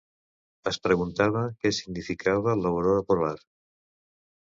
Es preguntava què significava l'aurora polar?